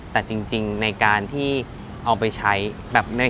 แต่จริงในการที่เอาไปใช้แบบ